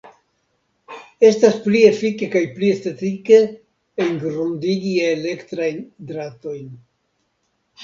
Estas pli efike kaj pli estetike engrundigi elektrajn dratojn.